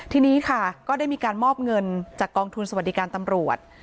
ทีนี้ค่ะก็ได้มีการมอบเงินจากกองทุนสวัสดิการตำรวจ